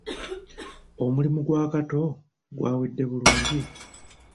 Omulimu gwa Kato gwawedde bulungi?